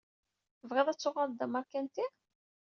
TebƔiḍ ad tuƔaleḍ d amaṛkanti?